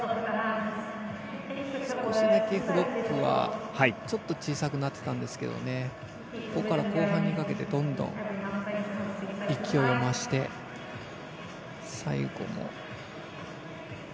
少しだけフロップはちょっと小さくなってたんですがここから後半にかけてどんどん勢いを増して最後も。